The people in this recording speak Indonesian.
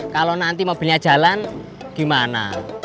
kalau nanti mobilnya jalan gimana